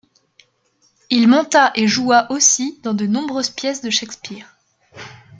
Il monta et joua aussi dans de nombreuses pièces de Shakespeare.